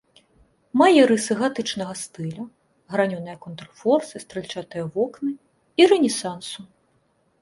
Мае рысы гатычнага стылю, гранёныя контрфорсы, стральчатыя вокны, і рэнесансу.